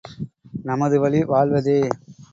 நமது வழி, வாழ்வதே!